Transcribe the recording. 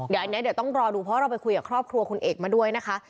เดี๋ยวอันนี้เดี๋ยวต้องรอดูเพราะเราไปคุยกับครอบครัวคุณเอกมาด้วยนะคะ